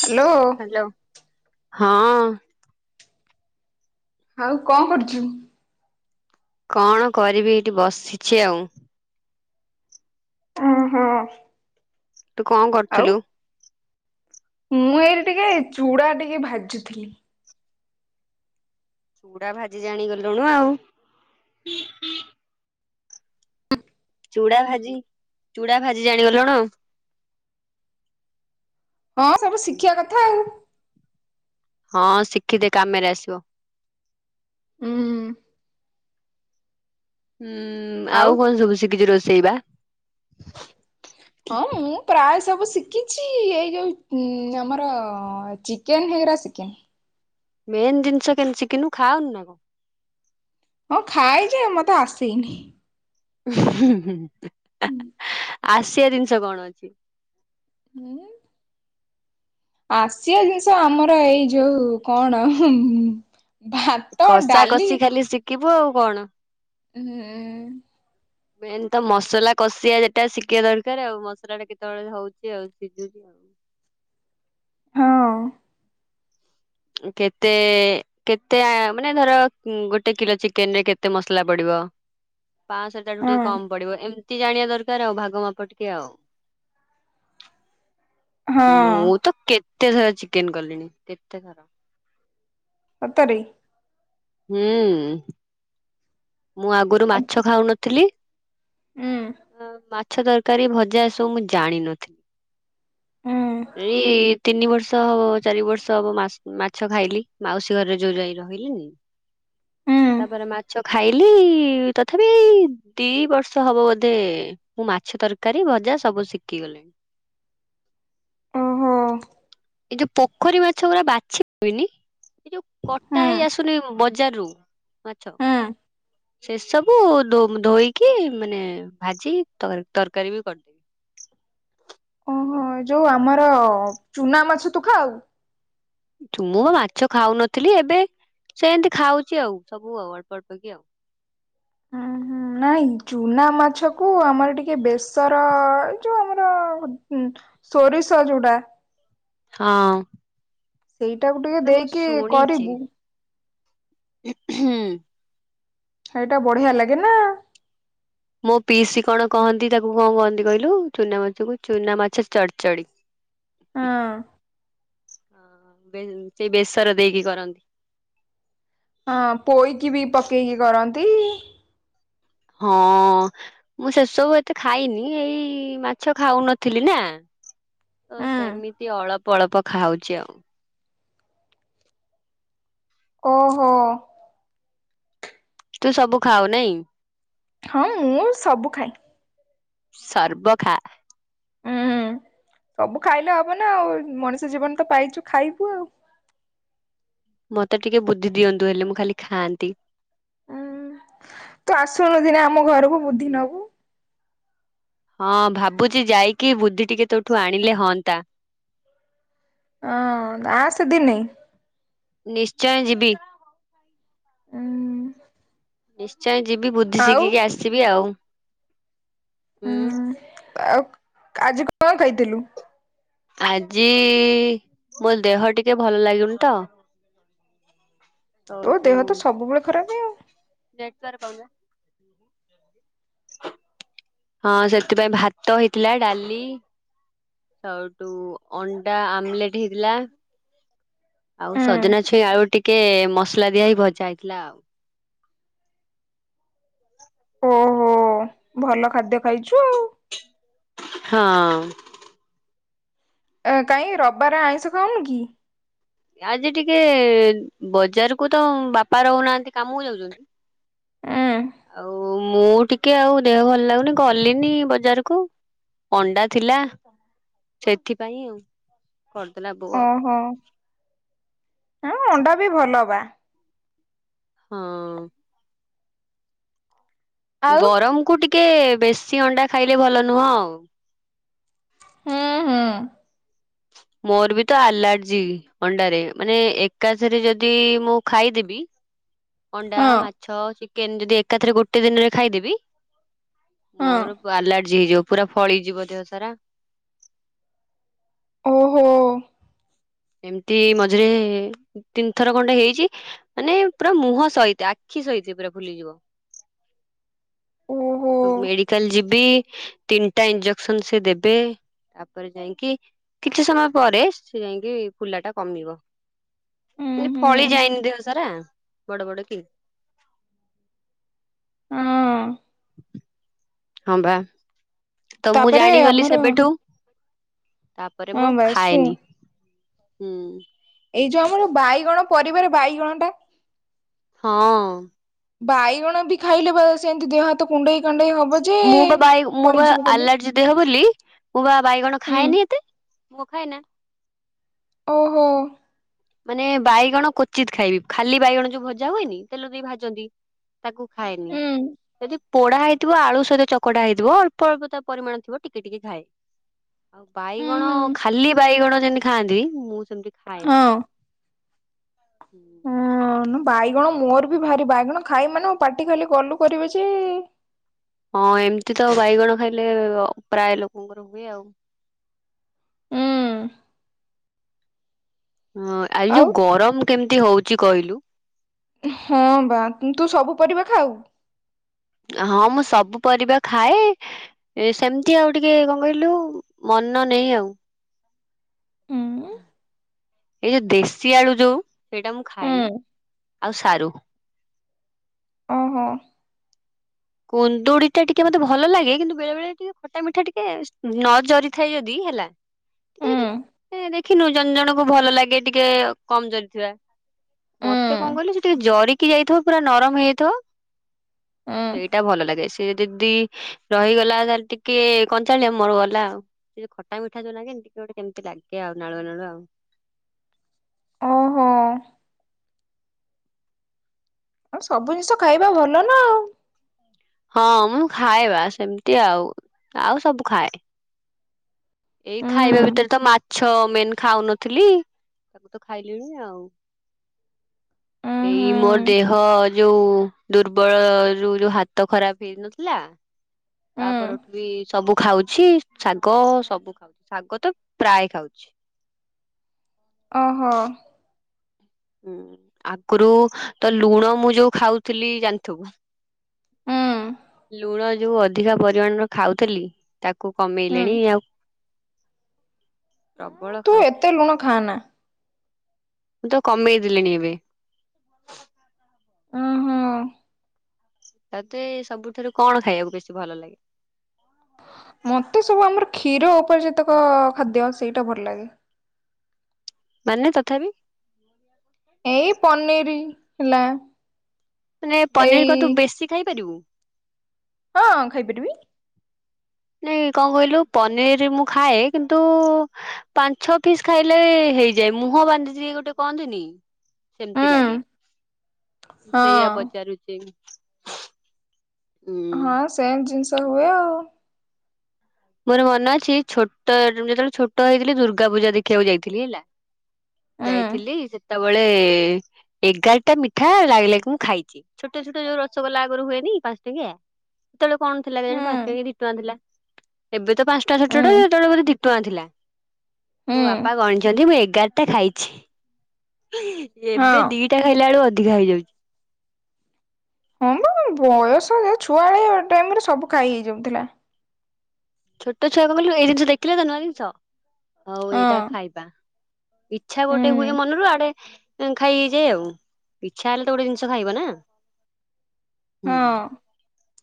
Hello. Hello ହଁ। ଆଉ କଣ କରୁଛୁ? କଣ କରିବି ଏଇଠି ବସିଛି ଆଉ। ଓ ହଁ। ତୁ କଣ କରୁଥିଲୁ? ମୁଁ ଏଇଠ ଟିକେ ଚୁଡ଼ା ଟିକେ ଭାଜୁଥିଲି। ଚୁଡା ଭାଜି ଜାଣିଗଲୁଣୁ ଆଉ। ଚୁଡା ଭାଜି ଚୁଡା ଭାଜି ଜାଣିଗଲୁଣୁ। ହଁ ସବୁ ଶିଖିବା କଥା ଆଉ। ହଁ ଶିଖିଦେ କାମରେ ଆସିବ। ହୁଁ। ହୁଁ ଆଉ କଣ ସବୁ ଶିଖିଛୁ ରୋଷେଇବା? ହଁ ମୁଁ ପ୍ରାୟ ସବୁ ଶିଖିଛି ଏଇ ଯୋଉ ଆମର ଚି କେନ୍ ହେଇଗରା ଶିଖିନି। ମେନ୍ ଜିନିଷ କେମିତି ଶିଖିନୁ ଖାଉନି ନା କଣ? ହଁ ଖାଏଯେ ମତେ ଆସେଇନି। ଉଁ ହୁଁ ହୁଁ ହୁଁ। ଆସିଆ ଜିନିଷ କଣ ଅଛି? ଉଁ ଆସିଆ ଜିନିଷ ଆମର ଏଇ ଯୋଉ କଣ ଭାତ, ଡାଲି। କିବୁ ଆଉ କଣ? ଉଁ [inaudible] ମେନ୍ ତ ମସଲା କଷିିବା ଯେଟା ଶିଖିବା ଦରକାର ଆଉ ମସଲା ଟା କେତେବେଳେ ହଉଛି ଆଉ ସିଝୁଛି ଆଉ। ହଁ। କେତେ କେତେ ମାନେ ଧର ଗୋଟେ କିଲୋ ଚିକେନ ରେ କେତେ ମସଲା ପଡିବ? ପାଁଶହ ତାଠୁ ହଁ ଟିକେ କମ ପଡିବ, ଏମିତି ଜାଣିବା ଦରକାର ଆଉ ଭାଗ ମାପ ଟିକେ ଆଉ। ହଁ ମୁଁ ତ କେତେ ଥର ଚିକେନ କଲିଣି କେତେଥର। ଅତରେ। ହୁଁ। ମୁଁ ଆଗରୁ ମାଛ ଖାଉନଥିଲି, ହୁଁ ମା ମାଛ ତରକାରୀ ଭଜା ଏସବୁ ମୁଁ ଜାଣିନଥିଲି, ହୁଁ ଏଇ ତିନି ବର୍ଷ ଷ ହବ ଚାରି ବର୍ଷ ହବ ମାସ ମାଛ ଖାଇଲି ମାଉସୀ ଘରେ ଯୋଉ ଯାଇ ରହିଲିନି। ହୁଁ। ତାପରେ ମାଛ ଖାଇଲି ତଥାପି ଏଇ ଦି ବର୍ଷ ହବ ବୋଧେ ମୁଁ ମାଛ ତରକାରୀ ଭଜା ସବୁ ଶିଖିଗଲି। ଓହୋ। ଏଇ ଯୋଉ ପୋଖରୀ ମାଛ ଗୁଡା ବାଛି ହୁଏନି ଏ ଯୋଉ କଟା ହୁଁ ହେଇ ଆସ ନି ବଜାର ରୁ ମାଛ ହୁଁ। ସେସବୁ ମୁଁ ଧୋ ଧୋଇକି ମାନେ ଭାଜି ତକାରୀ ତରକାରି ବି କରିଦିଏ। ଓହୋ ଯୋଉ ଆମର ଚୁନା ମାଛ ତୁ ଖାଉ? ଚୁନ ମୁଁ ବା ମାଛ ଖାଉନଥିଲି ଏବେ ସେଏଁତି ଖାଉଛି ଆଉ ସବୁ ଆଉ ଅଳ୍ପ ଅଳ୍ପ କି ଆଉ। ଉଁ ହୁଁ ନାଇଁ ଚୁନା ମାଛ କୁ ଆମର ଟିକେ ବେଶର ଯୋଉ ଆମର ସୋରିଷ ଯୋଉଟା। ହଁ। ସେଇଟାକୁ ଟିକେ ଏଇଟା ତ ମୁଁ ଦେଇକି ଶୁଣିଛି। କରିବୁ। ହୁଁ। ହେଇଟା ବଢିଆ ଲାଗେ ନା? ମୋ ପିଇସି କଣ କହନ୍ତି ତାକୁ କଣ କହନ୍ତି କହିଲୁ ଚୁନା ମାଛକୁ ଚୁନା ମାଛ ର ଚଢ ଚଢି। [inaudible] ହଁ। ହଁ ବେ ସେଇ ବେସର ଦେଇକି କରନ୍ତି। ହଁ ପୋଇକି ବି ପକେଇକି କରନ୍ତି। ହଁ। ମୁଁ ସେସବୁ ଏତେ ଖାଇନି ଏଇ ମାଛ ଖାଉନଥିଲି ନା। ତ ସେମିତି ଅଳ୍ପ ଅଳ୍ପ ଖାଉଛି ଆଉ। ଓହୋ। ତୁ ସବୁ ଖାଉ ନାଇଁ? ହଁ ମୁଁ ସବୁ ଖାଏ। ସର୍ବଖା। ଉଁ ସବୁ ଖାଇଲେ ହବ ନା ଆଉ ମଣିଷ ଜୀବନ ତ ପାଇଛୁ ଖାଇବୁ ଆଉ। ମତେ ଟିକେ ବୁଦ୍ଧି ଦିଅନ୍ତୁ ହେଲେ ମୁଁ ଖାଲି ଖାଆନ୍ତି। ଉଁ ତୁ ଆସୁନୁ ଦିନେ ଆମ ଘରକୁ ବୁଦ୍ଧି ନବୁ। ହଁ ଭାବୁଛି ଯାଇକି ବୁଦ୍ଧି ଟିକେ ତୋଠୁ ଆଣିଲେ ହନ୍ତା। ହଁ ଆ ସେ ଦିନେ। ନିଶ୍ଚୟ ଯିବି। ଉଁ। ନିଶ୍ଚୟ ଯିବି ବୁଦ୍ଧି ଆଉ ଶିଖିକି ଆସିବି ଆଉ। ହୁଁ ଆଉ ଆଜି କଣ ଖାଇଥିଲୁ? ଆଜି ମୋ ଦେହ ଟିକେ ଭଲ ଲାଗୁନି ତ ତୋ ସୋଉଠୁ ଦେହ ତ ସବୁବେଳେ ଖରାପେ। [unintelligible] [inaudible] ହଁ ସେଥିପାଇଁ ଭାତ ହେଇଥିଲା ଡାଲି। ସେଉଠୁ ଅଣ୍ଡା ଆମଲେଟ ହେଇଥିଲା। ଆଉ ହୁଁ ସଜନା ଛୁଇଁ ଆଳୁ ଟିକେ ମସଲା ଦିଆ ହେଇ ଭଜା ହେଇଥିଲା ଆଉ। ଓହୋ ଭଲ ଖାଦ୍ୟ ଖାଇଛୁ ଆଉ। ହଁ। ଏ କାଇଁ ରବିବାରେ ଆଇଁଷ ଖାଉନି କି? ଆଜି ଟିକେ ବଜାର କୁ ତ ବାପା ରହୁନାହାନ୍ତି କାମକୁ ଯାଉଛନ୍ତି। ଆଁ। ଆଉ ମୁଁ ଟିକେ ଆଉ ଦେହ ଭଲ ଲାଗୁନି ଗଲିନି ବଜାର କୁ। ଅଣ୍ଡା ଥିଲା ସେଥିପାଇଁ ଆଉ। କରୁଦେଲା‌ ବୋ ଓହୋ ଏ ଅଣ୍ଡା ବି ଭଲ ବା ହୁଁ। ଆଉ ଗରମକୁୁ ଟିକେ ବେଶୀ ଅଣ୍ଡା ଖାଇଲେ ଭଲ ନୁହଁ ଆଉ। ହୁଁ-ହୁଁ। ମୋର ବି ତ ଆଲାର୍ଜି ଅଣ୍ଡାରେ, ମାନେ ଏକାଥରେ ଯଦି ମୁଁ ଖାଇଦେବି ଅଣ୍ଡା, ହଁ ମାଛ, ଚିକେନ୍ ଯଦି ଏକାଥରେ ଗୋଟେ ଦିନରେ ଖାଇଦେବି ହଁ ମୋର ଆଲାର୍ଜି ହେଇଯିବ ପୁରା ଫଳିଯିବ ଦେହ ସାରା। ଓହୋ। ଏମ୍ତି ମଝିରେ ତିନିଥର ଖଣ୍ଡେ ହେଇଛି। ମାନେ ପୁରା ମୁହଁ ସହିତ ଆଖି ସହିତେ ପୁରା ଫୁଲିଯିବ। ଓହୋ ମେଡିକାଲ୍ ଯିବି ତିନିଟା ଇଞ୍ଜେକ୍ସନ୍ ସେ ଦେବେ। ତାପରେ ଯାଇଁକି କିଛି ସମୟ ପରେ ସେ ଯାଇଁକି ଫୁଲା ଟା କମିବ ଉଁ [unintelligible] ହୁଁ ଫଳି ଯାଏନି ଦେହ ସାରା ବଡ-ବଡ କି ହୁଁ। ହଁ ବା, ତ ମୁଁ ତାପରେ ଜାଣିଗଲି ଆମର ସେବେଠୁ ତାପରେ ମୁଁ ହଁ ଆଉ ବା ଶୁଁ ଖାଏନି। ଏଇ ଯୋଉ ଆମର ବାଇଗଣ ପରିବାର ବାଇଗଣ ଟା ହଁ। ବାଇଗଣ ବି ଖାଇଲେ ବା ସେନ୍ତି ଦେହ ହାତ କୁଣ୍ଡେଇ କାଣ୍ଡେଇ ହବ। ଯେ ମୁଁ ବା ବାଇ ମୋ ବା ପଳେଇଯିବ କହିଲେ ଆଲାର୍ଜି ଦେହ ବୋଲି ମୁଁ ବା ବାଇଗଣ ଖାଏନି ଏତେ। [unintelligible] ଖାଏ ନା ଓହୋ। ମାନେ ବାଇଗଣ କ୍ଵଚିତ୍ ଖାଇବି, ଖାଲି ବାଇଗଣ ଯୋଉ ଭଜା ହୁଏନି ତେଲ ଦେଇ ଭାଜନ୍ତି। ତାକୁ ଖାଏନି, ଉୁଁ ଯଦି ପୋଡା ହେଇଥିବ ଆଳୁ ସହିତ ଚକଟା ହେଇଥିବ ଅଳ୍ପ-ଅଳ୍ପ ତା ପରିମାଣ ଥିବ ଟିକେ-ଟିକେ ଖାଏ। ବାଇଗଣ ହୁଁ ଖାଲି ବାଇଗଣ ଯେମିତି ଖାଆନ୍ତି, ମୁଁ ସେମ୍ତି ହଁ। ହଁ ବାଇଗଣ ମୋର ବି ଭାରି ବାଇଗଣ ଖାଇବି ମାନେ ପାଟି ଖାଲି ମୋର ଗଲୁ କରିବ ଯେ ହଁ ଏମ୍ତି ତ ବାଇଗଣ ଖାଇଲେ ପ୍ରାୟ ଲୋକଙ୍କର ହୁଏ ଆଉ। ହୁଁ। ହଁ ଆଜି ଯୋଉ ଆଉ ଗରମ୍ କେମିତି ହଉଚି କହିଲୁ? ହଁ ବା, ତୁ ସବୁ ପରିବା ଖାଉ? ହଁ ମୁଁ ସବୁ ପରିବା ଖାଏ ଏ ସେମିତି ଆଉ ଟିକେ କଣ କହିଲୁ ମନ ନେଇ ଆଉ। ଏଇ ଯୋଉ ଦେଶୀ ଆଳୁ ଯୋଉ ସେଇଟା ମୁଁ ଖାଏନି ଆଉ ସାରୁ। ଓହୋ। କୁନ୍ଦୁଡି ଟା ଟିକେ ମତେ ଭଲ ଲାଗେ, କିନ୍ତୁ ବେଳେ-ବେଳେ ଟିକେ ଖଟା ମିଠା ଟିକେ ନ ଜରିଥାଏ ଯଦି ହେଲା ଟିକେ ଯଦି ଏ ଦେଖିନୁ ଜଣେ ଜଣଙ୍କୁ ଭଲ ଲାଗେ ଟିକେ କମ୍ ଜରିଥିବା। ମତେ କଣ କହିଲୁ ସେ ଟିକେ ଜରିକି ଯାଇଥିବ ପୁରା ନରମ୍ ହେଇଥବ ସେଇଟା ଭଲ ଲାଗେ, ସେଏ ଯଦି ରହିଗଲା ତାହେଲେ ଟିକେ କଞ୍ଚାଳିଆ ମର ଗଲା ଆଉ। ସେ ଯୋଉ ଖଟା ମିଠା ଯୋଉ ଲାଗେନି ଟିକେ ଗୋଟେ କେମ୍ତି ଲାଗେ ଆଉ ନାଳୁଆ-ନାଳୁଆ ଆଉ। ଓହୋ। ସବୁ ଜିନିଷ ଖାଇବା ଭଲ ନା ଆଉ। ହଁ ମୁଁ ଖାଏବା ସେମିତି ଆଉ, ଆଉ ସବୁ ଖାଏ। ଏଇ ହୁଁ ଖାଇବା ଭିତରେ ତ ମାଛ ମେନ୍ ଖାଉନଥିଲି। ତାକୁ ତ ଖାଇଲିଣି ଆଉ। ଏଇ ହୁଁ ମୋର ଦେହ ଯୋଉ ଦୁର୍ବଳରୁ ଯୋଉ ହାତ ଖରାପ୍ ହେଇ ନଥିଲା, ହୁଁ। ତାପରଠୁ ବି ସବୁ ଖାଉଛି ଶାଗ ସ ବୁ ଖାଉଛି, ଶାଗ ତ ପ୍ରାୟ ଖାଉଛି। ଓହୋ। ହୁଁ ଆଗରୁ ତ ଲୁଣ ମୁଁ ଯୋଉ ଖାଉଥିଲି ଜାଣିଥବୁ। ହୁଁ ଲୁଣ ଯୋଉ ଅଧିକା ପରିମାଣର ଖାଉଥିଲି। ତାକୁ ହୁଁ କମେଇଲେଣି ଆଉ। ପ୍ରବଳ ତୁ ଖାଉଥିଲି। ଏତେ ଲୁଣ ଖାଆନା। ମୁଁ ତ କମେଇ ଦେଲେଣି ଏବେ। ଓହୋ ତତେ ସବୁଠାରୁ କଣ ଖାଇବାକୁ ବେଶୀ ଭଲ ଲାଗେ? ମତେ ସବୁ ଆମର କ୍ଷୀର ଉପରେ ଯେତେକ ଖାଦ୍ୟ ସେଇଟା ଭଲ ଲାଗେ। ମାନେ ତଥାପି। ଏଇ ପନିରି ଥିଲା। ମାନେ ପନିରି କ ତୁ ବେଶୀ ଖାଇପାରିବୁ? ହଁ ଖାଇପାରିବି। ନାଇଁ କଣ କହିଲୁ ପନିର ମୁଁ ଖାଏ କିନ୍ତୁ ପାଞ୍ଚ ଛ ପିସ୍। ଖାଇଲେ ହେଇଯାଏ ମୁହଁ ବାନ୍ଧିଛି ଗୋଟେ କହନ୍ତିନି। ସେମିତି ହୁଁ ଲାଗେ ମୁ ହଁ ସେଇଆା ପଚାରୁଚି। ହଁ ସେନ୍ ଜିନିଷ ହୁଏ ଆଉ। ମୋର ମନ ଅଛି ଛୋଟ ଯେତେବେଳେ ଛୋଟ ହେଇଥିଲି ଦୁର୍ଗା ପୂଜା ଦେଖିବାକୁ ଯାଇଥିଲି ହେଲା। ହୁଁ ଯାଇଥିଲି ସେତେବେଳେ ଏଗାରଟା ମିଠା ଲାଗ ଲଗିକା କି ମୁଁ ଖାଇଚି। ଛୋଟ ଛୋଟ ଯୋଉ ରସଗୋଲା ଆଗରୁ ହୁଏନି ପାଞ୍ଚ ଟକିଆ ସେତେବେଳେ କଣ ଥିଲା ଜାଣି ହୁଁ ପାଞ୍ଚ ଟକି ଦି ଟଙ୍କା ଥିଲା। ଏବେ ତ ପାଞ୍ଚଟା ଛୋଟା ହୁଁ ଯେତେବେଳେୋଧେ ଦିଟଙ୍କା ଥିଲା। ମୋ ହୁଁ ବାପା ଗଣିଛନ୍ତି ମୁଁ ଏଗାରଟା ଖାଇଛି। ଏବେ ହଁ ଦିଟା ଖାଇଲା ବେଳୁ ଅଧିକା ହେଇଯାଉ ହଁ ବା ବୟସ ଛୁଆଳିଆ ଟାଇମ ରେ ସବୁ ଖାଇ ହେଇ ଯାଉଥିଲା। ଛୋଟ ଛୁଆ କଣ କହିଲୁ ଏଇ ଜିନିଷ ଦେଖିଲେ ତ ନୂଆ ଜିନିଷ ଆଉ ହଁ ଏଇଟା ଖାଇବା। ଇଚ୍ଛା ଗୋଟେ ହୁଁ ହୁଏ ମନରୁ ଆଡେ ଖାଇଯାଏ ଆଉ। ଇଛା ହେଲେ ତ ଗୋଟେ ଜିଷ ଖାଇବ ନା ହୁଁ ହଁ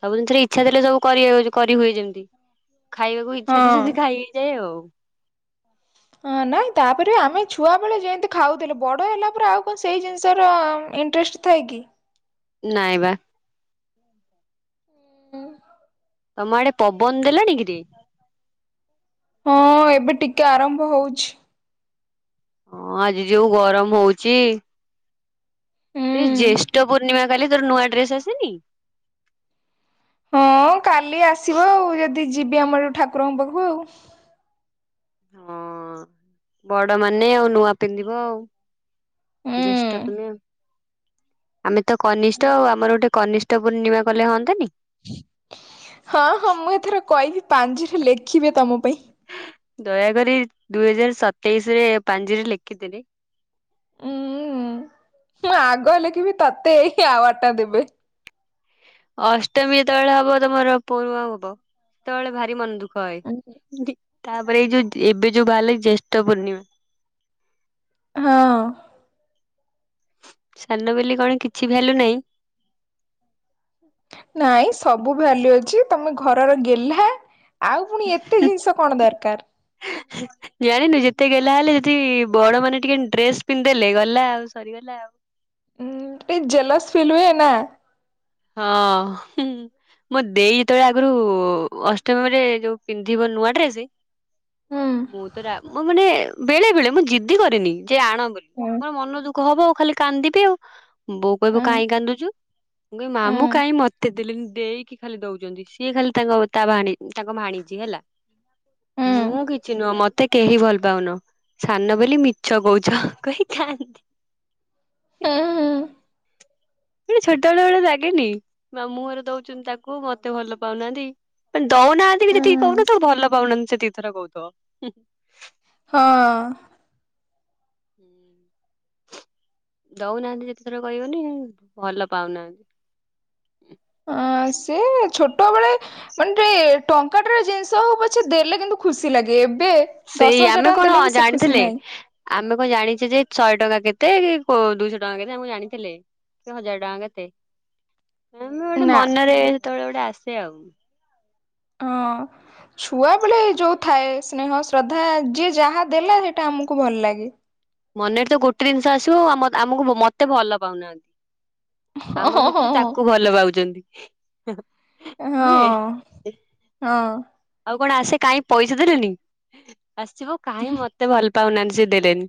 ସବୁ ଜିନିଷରେ ଇଛା ଥିଲେ ସବୁ କରି କରିହୁୁଏ ଯେମତି। ଖାଇବାକୁ ଇଚ୍ଛା ହଁ ସେ ଖାଇ ହେଇ ଯାଏ ଆଉ। ହଁ ନାଇଁ ତାପରେ ଆମେ ଛୁଆବେେଳେ ଯେମିତି ଖାଉଥିଲେ ବଡ଼ ହେଲା ପରେ ଆଉ କଣ ସେଇ ଜିନିଷର ଇଣ୍ଟରେଷ୍ଟ। ଥାଏ କି? ନାଇଁ ବା ଉଁ ତମ ଆଡେ ପବନ ଦେଲାଣି ଟିକେ। ହଁ ଏବେ ଟିକେ ଆରମ୍ଭ ହଉଛି। ହଁ ଆଜି ଯୋଉ ଗରମ ହଉଚି। ଏଇ ହୁଁ ଜ୍ୟେଷ୍ଠ ପୂର୍ଣ୍ଣିମା କାଲି ତୋର ନୂଆ ଡ୍ରେସ ଆସେନି? ହଁ କାଲି ଆସିବ ଆଉ ଯଦି ଯିବି ଆମର ଏଉ ଠାକୁରଙ୍କ ପାଖକୁ ଆଉ। ହଁ ବଡ ମାନେ ଆଉ ନୂଆ ପିନ୍ଧିବ ଆଉ। ଜ୍ୟେଷ୍ଠ ହୁଁ। ତୁମେ ଆଉ। ଆମେ ତ କନିଷ୍ଠ ଆମର ଗୋଟେ କନିଷ୍ଠ ପୂର୍ଣ୍ଣିମା କଲେ ହନ୍ତାନି। ହଁ ହଁ ମୁଁ ଏଥର କହିବି ପାଞ୍ଜିରେ ଲେଖିବେ ତମ ପାଇଁ। ଦୟାକରି ଦୁଇ ହଜାର ସତେଇଶ ରେ ପାଞ୍ଜିରେ ଲେଖି ଦେବେ। ଉୁଁ ମୁଁ ଆଗ ଲେଖିବି ତତେ ଏଇ ଆୱାର୍ଡ ଟା ଦେବେ। ଅଷ୍ଟମୀ ଯେତେବେଳେ ହବ ତମର ପୋଢୁଆଁ ହବ ସେତେବେଳେ ଭାରି ମନ ଦୁ ଖ ତାପରେ ଏଇ ଯୋଉ ଏବେ ଯୋଉ ବା ଜ୍ୟେଷ୍ଠ ପୂର୍ଣ୍ଣିମା। ହଁ ସାନ ବୋଲି କଣ କିଛି ଭ୍ୟାଲ୍ୟୁ ନାହିଁ। ନାଇଁ ସବୁ ଭାଲ୍ୟୁ ଅଛି ତମେ ଘରର ଗେଲ୍ହା। ଆଉ ପୁଣି ଏତେ ଜିନିଷ କଣ ଦରକାର। [inaudible] ଜାଣିନୁ ଯେତେ ଗେଲ୍ହା ହେଲେ ଯଦି ବଡ ମାନେ ଟିକେ ଡ୍ରେସ ପିନ୍ଧି ଦେଲେ ଗଲା ଆଉ ସରିଗଲା ଆଉ। ଉଁ ଟିକେ ଜେଲସ ଫିଲ୍ ହୁଏ ନା। ହଁ ହୁଁ। ମୁଁ ଦେଇ ଯେତେବେଳେ ଆଗରୁ ଅଷ୍ଟମରେ ଯୋଉ ପିନ୍ଧିବ ନୂଆ ଡ୍ରେସ୍ ମୁଁ ତ ରା ମାନେ ବେଳେ ବେଳେ ମୁଁ ଜିଦ୍ଦି କରିନି ଯେ ଆଣ ବୋଲି। ହଁ। ମୋର ମନ ଦୁଃଖ ହବ ଆଉ ଖାଲି କାନ୍ଦିବି ଆଉ ବୋଉ କହିବ କାହିଁ କାନ୍ଦୁଛୁ। ମୁଁ କଇମି ମାମୁ କାଇଁ ମତେ ଦେଲେନି ଦେଇକି ଖାଲି ଦଉଛନ୍ତି। ସିଏ ଖାଲି ତାଙ୍କ ତା ଭା ତାଙ୍କ ଭାଣଛି ହେଲା ମୁଁ କିଛି ନୁହଁ ମ ମତେ କେହି ଭଲ ପାଉନ ସାନ ବୋଲି ମିଛ କଉଛ କହି କାନ୍ଦି [unintelligible] ହୁଁ ହୁଁ। ଏ ଛୋଟ ବେଳେ ବେଳେ ଲାଗେନି ମାମୁଁ ଘର ଦଉଛନ୍ତି ତାକୁ ମତେ ଭଲ ପାଉନାହାନ୍ତି। ଦଉନାହାନ୍ତି ଯେତିକି କହୁନ ତୁ ଭଲ ପାଉନାହାନ୍ତି ସେ ଦି ଥର କହୁଥବ ଉଁ। ହଁ। ହୁଁ ଦଉନାହାନ୍ତି ଯେତେଥର କହିବନି ଭଲ ପାଉନାହାନ୍ତି ଅ ସେ ଛୋଟବେେଳେ ମାନେ ଟେ ଟଙ୍କାଟାର ଜିନିଷ ହବ ପଛ ଦେଲେ କିନ୍ତୁ ଖୁସି ଲାଗେ ଏବେ ଦଶ ସେଇ ହଜାର ଆମେ ଟଙ୍କା କଣ ଦେଲେ ବି ସେ ଖୁସି ଜାଣିଥିଲେ ନାହିଁ ଆମେ କଣ ଜାଣିଛେ ଯେ ଶହେ ଟଙ୍କା କେତେ କୋ ଦୁଇଶହ ଟଙ୍କା କେତେ ଆମେ କଣ ଜାଣିଥିଲେ। କି ହଜାର ଟଙ୍କା କେତେ ଆମେ ନା ମନରେ ସେତେବେଳେ ଗୋଟେ ଆସେ ଆଉ। ହଁ। ଛୁଆବେେଳେ ଯୋଉ ଥାଏ ସ୍ନେହ ଶ୍ରଦ୍ଧା ଯିଏ ଯାହା ଦେଲା ସେଇଟା ଆମକୁ ଭଲ ଲାଗେ। ମନେରେ ତ ଗୋଟେ ଜିନିଷ ଆସିବ ଆମ ଆମକୁ ମତେ ଭଲ ପାଉନାହାନ୍ତି। ଆମ ହଁ ଭିତରୁ ତାକୁ ହଁ ଭଲ ପାଉଛନ୍ତି। ନୁହେଁ। ହଁ ହଁ। ଆଉ କଣ ଆସେ କାହିଁ ପଇସା ଦେଲେନି ଆସିବ କାହିଁ ମତେ ଭଲ ପାଉନାହାନ୍ତି ସେ ଦେଲେନି।